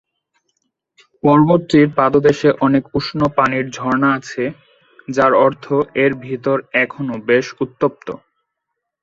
পর্বতটির পাদদেশে অনেক উষ্ম পানির ঝর্ণা আছে, যার অর্থ এর ভেতর এখনও বেশ উত্তপ্ত।